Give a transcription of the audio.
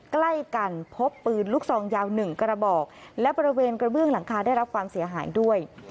ใกล้กันพบปืนลูกซองยาว๑กระบอกและบริเวณกระเบื้องหลังคาได้รับความเสียหายด้วย